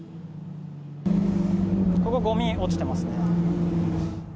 ここ、ごみ落ちてますね。